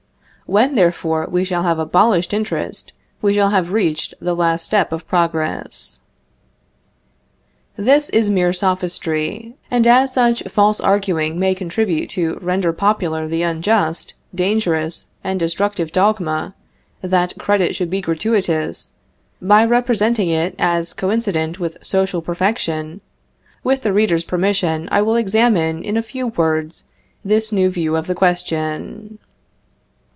When, therefore, we shall have abolished interest, we shall have reached the last step of progress." This is mere sophistry, and as such false arguing may contribute to render popular the unjust, dangerous, and destructive dogma, that credit should be gratuitous, by representing it as coincident with social perfection, with the reader's permission I will examine in a few words this new view of the question.